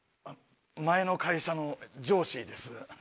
前の会社の上司です。